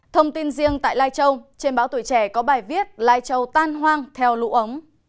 thông tin riêng tại lai châu trên báo tuổi trẻ có bài viết lai châu tan hoang theo lũ ống